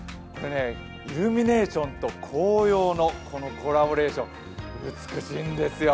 イルミネーションと紅葉のコラボレーション、美しいんですよ。